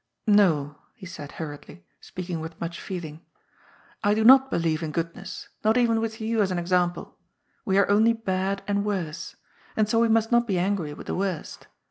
No," he said hurriedly, speaking with much feeling, " I do not believe in goodness, not even with you as an ex ample. We are only bad and worse. And so we must not be angry with the worst.